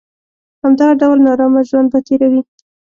همدغه ډول نارامه ژوند به تېروي.